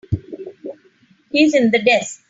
He's in the desk.